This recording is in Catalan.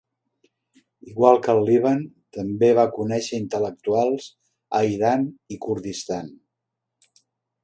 Igual que al Líban, també va conèixer intel·lectuals a Iran i Kurdistan.